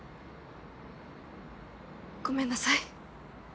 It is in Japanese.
ごめんなさい。